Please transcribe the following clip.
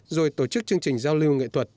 rồi tổ chức chương trình giao lưu nghệ thuật